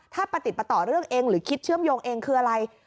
ถ้าประติดประต่อเรื่องเองหรือคิดเชื่อมโยงเองคืออะไร